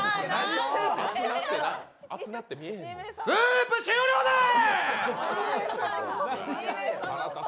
スープ終了です！